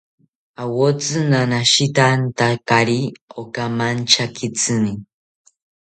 Awotsi nanashitantakari okamanchakitzini